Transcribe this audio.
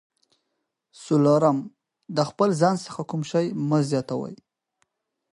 څلورم: د خپل ځان څخه کوم شی مه زیاتوئ.